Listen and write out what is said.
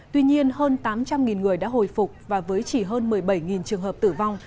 tuy nhiên hơn tám trăm linh người đã hồi phục và với chỉ hơn một mươi bảy trường hợp tử vong